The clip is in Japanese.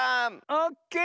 オッケー。